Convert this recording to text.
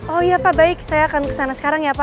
oh iya pak baik saya akan kesana sekarang ya pak